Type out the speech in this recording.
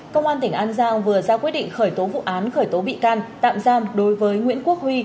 công an tỉnh an giang vừa ra quyết định khởi tố vụ án khởi tố bị can tạm giam đối với nguyễn quốc huy